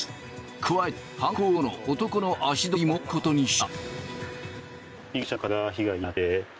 加えて犯行後の男の足取りも追うことにした。